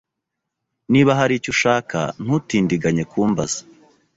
Niba hari icyo ushaka, ntutindiganye kumbaza.